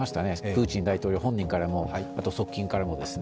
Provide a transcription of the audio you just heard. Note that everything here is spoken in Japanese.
プーチン大統領本人からも側近からも。